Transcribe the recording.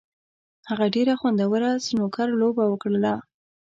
هغه ډېره خوندوره سنوکر لوبه وکړله.